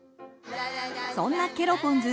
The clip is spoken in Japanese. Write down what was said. そんなケロポンズ